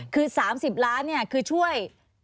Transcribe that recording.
คือ๓๐ล้านคือช่วย